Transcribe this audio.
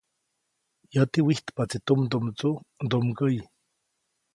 Yäti wijtpaʼtsi tumdumdsuʼ ndumgäʼyi.